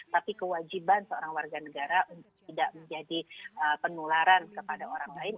tapi kewajiban seorang warga negara untuk tidak menjadi penularan kepada orang lain